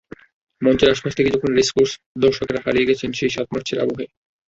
মঞ্চের আশপাশ যেন তখন রেসকোর্স, দর্শকেরা হারিয়ে গেছেন সেই সাতই মার্চের আবহে।